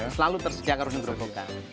selalu tersedia kedelai gerobogan